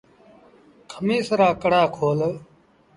کميٚس رآ ڪڪڙآ کول۔